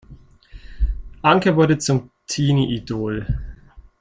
Anka wurde zum Teenie-Idol.